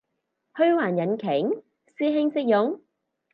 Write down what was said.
虛幻引擎？師兄識用？